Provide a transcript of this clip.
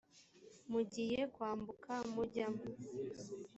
mugiye kwambuka mujyamo